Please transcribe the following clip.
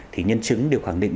thì nhân chứng đều khẳng định